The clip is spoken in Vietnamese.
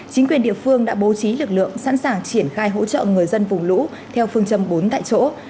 chính quyền địa phương đã bố trí lực lượng sẵn sàng triển khai hỗ trợ người dân vùng lũ theo phương châm bốn tại chỗ